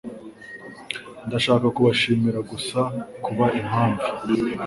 Ndashaka kubashimira gusa kuba impamvu